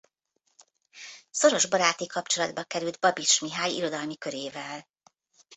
Szoros baráti kapcsolatba került Babits Mihály irodalmi körével.